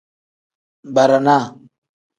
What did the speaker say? Barana.